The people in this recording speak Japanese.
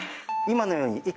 今のように。